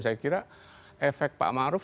saya kira efek pak maruf